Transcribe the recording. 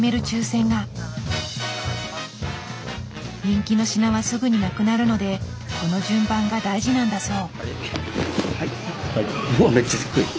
人気の品はすぐに無くなるのでこの順番が大事なんだそう。